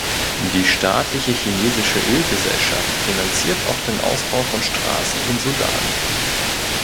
Die staatliche chinesische Ölgesellschaft finanziert auch den Ausbau von Straßen in Sudan.